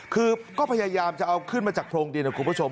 คือก็พยายามจะเอาขึ้นมาจากโรงดินนะคุณผู้ชม